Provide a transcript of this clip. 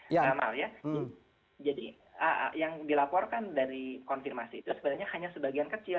jadi yang dilaporkan dari konfirmasi itu sebenarnya hanya sebagian kecil